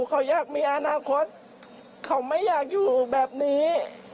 เขาอยากมีอนาคตเขาไม่อยากอยู่แบบนี้